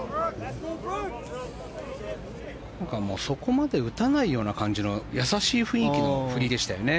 そこまで打たないような感じの優しい雰囲気の振りでしたよね。